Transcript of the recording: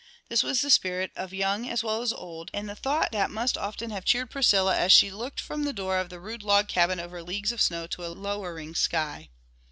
This was the spirit of young as well as of old, and the thought that must often have cheered Priscilla as she looked from the door of the rude log cabin over leagues of snow to a lowering sky.